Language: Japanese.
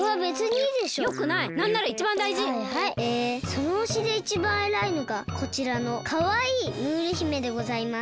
そのほしでいちばんえらいのがこちらのかわいいムール姫でございます。